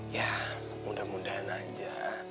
ya mudah mudahan aja